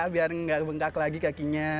biar nggak bengkak lagi kakinya